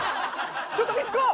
ちょっとミツコ！